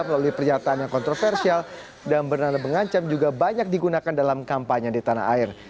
melalui pernyataan yang kontroversial dan bernada mengancam juga banyak digunakan dalam kampanye di tanah air